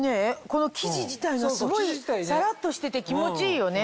この生地自体がすごいさらっとしてて気持ちいいよね。